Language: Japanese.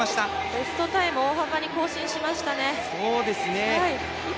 ベストタイムを大幅に更新しましたね。